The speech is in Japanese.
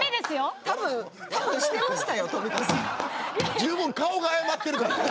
十分顔が謝ってるから。